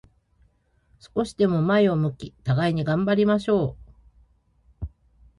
少しでも前を向き、互いに頑張りましょう。